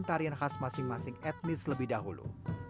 tarian khas masing masing etnis lebih dahulu